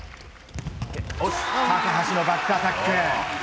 高橋のバックアタック。